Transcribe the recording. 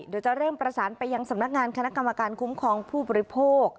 เดี๋ยวจะเริ่มประสานไปยังสำนักงานคณะกรรมการคุ้มครองผู้บริโภค